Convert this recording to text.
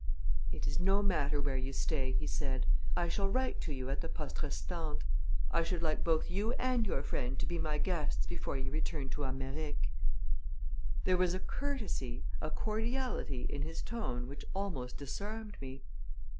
"It is no matter where you stay," he said; "I shall write to you at the poste restante. I should like both you and your friend to be my guests before you return to Amer ric'." There was a courtesy, a cordiality in his tone which almost disarmed me.